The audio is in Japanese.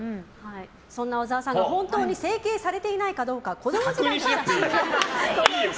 そんな小沢さんが本当に整形されていないかどうか。